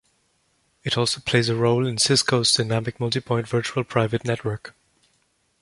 It also plays a role in Cisco's Dynamic Multipoint Virtual Private Network.